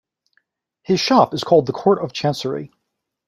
His shop is called the Court of Chancery.